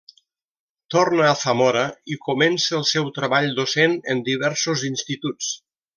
Torna a Zamora i comença el seu treball docent en diversos instituts.